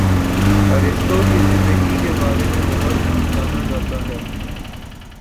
ارسطو کی زندگی کے بارے میں بہت کم جانا جاتا ہے